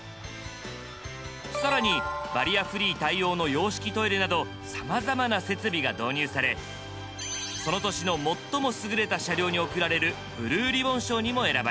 更にバリアフリー対応の洋式トイレなどさまざまな設備が導入されその年の最も優れた車両に贈られるブルーリボン賞にも選ばれました。